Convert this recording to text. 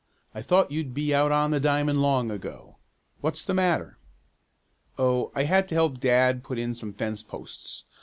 I thought you'd be out on the diamond long ago. What's the matter?" "Oh, I had to help dad put in some fence posts.